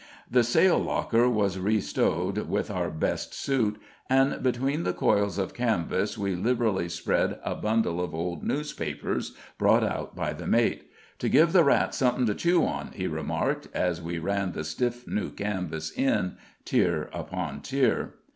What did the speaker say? The sail locker was re stowed with our "best suit," and between the coils of canvas we liberally spread a bundle of old newspapers brought out by the mate. "To give the rats something to chew on," he remarked, as we ran the stiff new canvas in, tier upon tier.